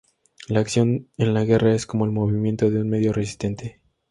La acción en la guerra es como el movimiento en un medio resistente.